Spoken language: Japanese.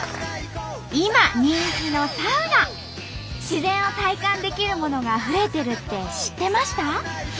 自然を体感できるものが増えてるって知ってました？